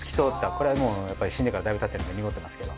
これはもう死んでからだいぶたってるので濁ってますけど。